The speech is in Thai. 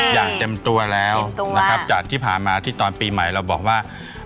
อย่างเต็มตัวแล้วนะครับจากที่ผ่านมาที่ตอนปีใหม่เราบอกว่า